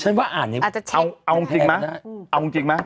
เอาจริงมั้ย